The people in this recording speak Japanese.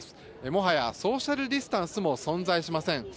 もはやソーシャルディスタンスも存在しません。